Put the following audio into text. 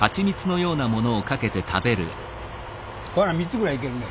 これ３つぐらいいけんね。